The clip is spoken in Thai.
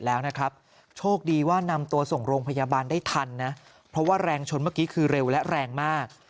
แล้วนะครับโชคดีว่านำตัวส่งโรงพยาบาลได้ทันนะเพราะว่าแรงชนเมื่อกี้คือเร็วและแรงมาก